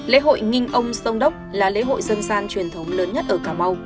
lễ hội nghinh ông sông đốc là lễ hội dân gian truyền thống lớn nhất ở cà mau